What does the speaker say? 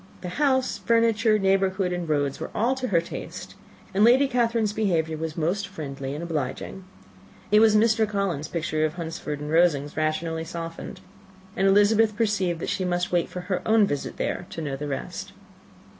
The house, furniture, neighbourhood, and roads, were all to her taste, and Lady Catherine's behaviour was most friendly and obliging. It was Mr. Collins's picture of Hunsford and Rosings rationally softened; and Elizabeth perceived that she must wait for her own visit there, to know the rest.